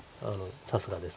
さすがです。